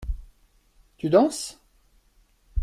Tu danses ?